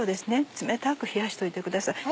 冷たく冷やしておいてください。